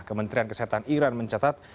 kementerian kesehatan iran mencatat